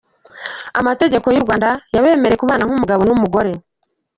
Amategeko y'u Rwanda yabemereye kubana nk'umugabo n'umugore.